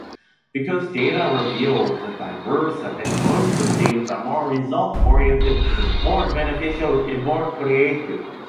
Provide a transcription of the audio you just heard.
Because data reveals that diverse and inclusive teams are more result-oriented, more beneficial and more creative.